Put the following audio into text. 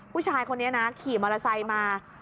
ผู้ชายคนนี้นะขี่มอเตอร์ไซค์มา